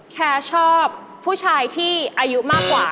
แค่ชอบผู้ชายที่อายุมากกว่า